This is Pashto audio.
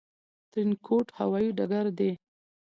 ترينکوټ هوايي ډګر دى